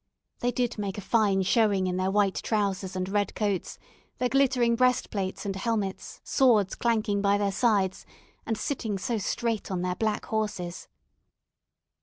They did make a fine showing in their white trousers and red coats, their glittering breastplates and helmets, swords clanking by their sides, and sitting so straight on their black horses.